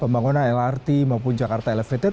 pembangunan lrt maupun jakarta elevated